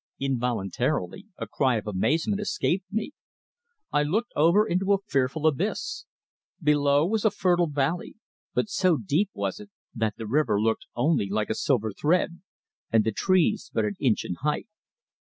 Involuntarily a cry of amazement escaped me. I looked over into a fearful abyss. Below was a fertile valley, but so deep was it that the river looked only like a silver thread, and the trees but an inch in height.